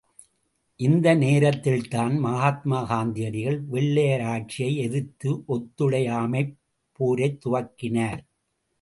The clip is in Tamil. இந்த நேரத்தில்தான், மகாத்மா காந்தியடிகள் வெள்ளையராட்சியை எதிர்த்து ஒத்துழையாமைப் போரைத் துவக்கினார்.